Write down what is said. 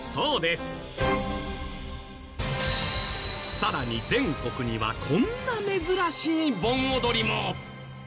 さらに全国にはこんな珍しい盆踊りも！